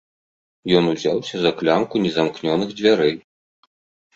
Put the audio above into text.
Ён узяўся за клямку незамкнёных дзвярэй.